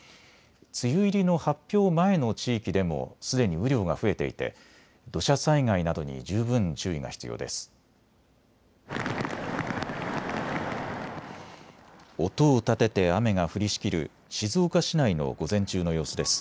梅雨入りの発表前の地域でもすでに雨量が増えていて土砂災害などに十分注意が必要です。